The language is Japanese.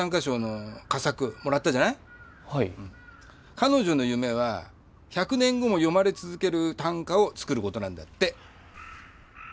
彼女の夢は１００年後も読まれ続ける短歌を作ることなんだって。